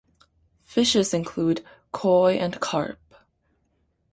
Fishes include koi and carp.